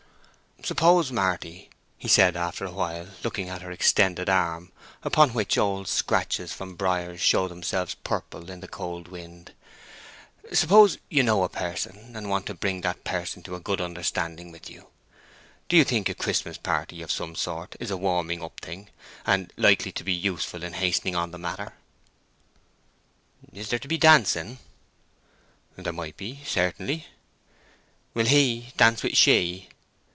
"Suppose, Marty," he said, after a while, looking at her extended arm, upon which old scratches from briers showed themselves purple in the cold wind—"suppose you know a person, and want to bring that person to a good understanding with you, do you think a Christmas party of some sort is a warming up thing, and likely to be useful in hastening on the matter?" "Is there to be dancing?" "There might be, certainly." "Will He dance with She?"